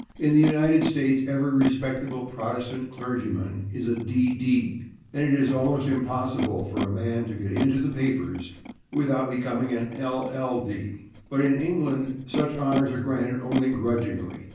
In the United States every respectable Protestant clergyman is a D.D., and it is almost impossible for a man to get into the papers without becoming an LL.D., but in England such honors are granted only grudgingly.